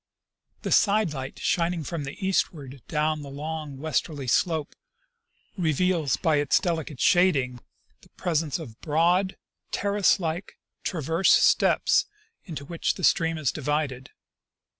The side light shining from the eastward down the long westerly slope reveals by its delicate shading the presence of broad, terrace like, transverse steps into which the stream is divided.